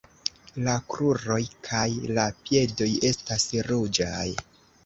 La kruroj kaj la piedoj estas ruĝaj.